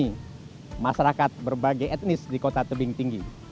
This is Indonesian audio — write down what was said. ini masyarakat berbagai etnis di kota tebing tinggi